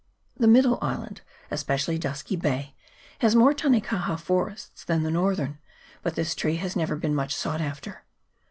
The middle island, especially Dusky Bay, has more tanekaha, forests than the northern, but this tree has never been much sought after.